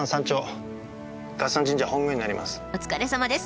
お疲れさまです！